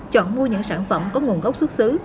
chọn mua những sản phẩm có nguồn gốc xuất xứ